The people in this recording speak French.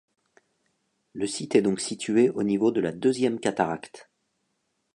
Le site est donc situé au niveau de la deuxième cataracte.